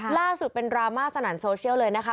ล่าสุดเป็นดราม่าสนั่นโซเชียลเลยนะคะ